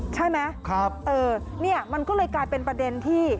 ใช่ไหมเนี่ยมันก็เลยกลายเป็นประเด็นที่